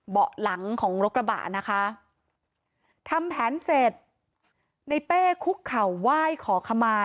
เบาะหลังของรถกระบะนะคะทำแผนเสร็จในเป้คุกเข่าไหว้ขอขมา